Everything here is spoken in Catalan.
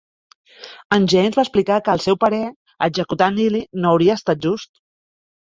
En James va explicar que, al seu parer, executar Neelley no hauria estat just.